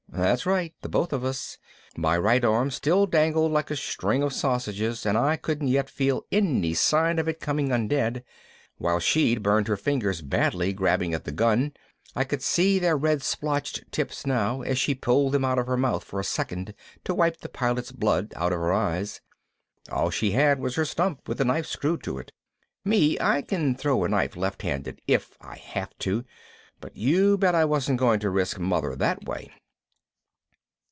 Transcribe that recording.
That's right, the both of us. My right arm still dangled like a string of sausages and I couldn't yet feel any signs of it coming undead. While she'd burned her fingers badly grabbing at the gun I could see their red splotched tips now as she pulled them out of her mouth for a second to wipe the Pilot's blood out of her eyes. All she had was her stump with the knife screwed to it. Me, I can throw a knife left handed if I have to, but you bet I wasn't going to risk Mother that way.